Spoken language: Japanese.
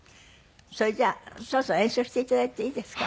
それじゃあそろそろ演奏して頂いていいですか？